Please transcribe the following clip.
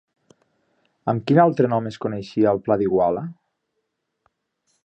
Amb quin altre nom es coneixia el Pla d'Iguala?